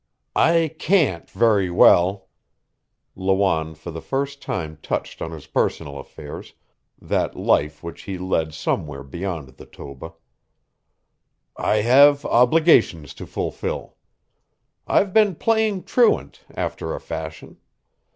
"I can't, very well," Lawanne for the first time touched on his personal affairs, that life which he led somewhere beyond the Toba. "I have obligations to fulfill. I've been playing truant, after a fashion.